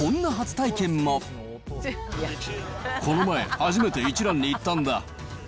この前、初めて一蘭に行ったんだ。